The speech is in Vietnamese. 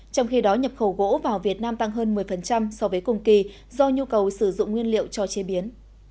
trong khi đó nhập khẩu gỗ vào việt nam tăng hơn một mươi so với cùng kỳ do nhu cầu sử dụng nguyên liệu cho chế biến